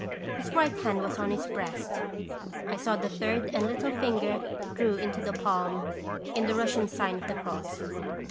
His right hand was on his breast. I saw the third and little finger draw into the palm, in the Russian sign of the cross.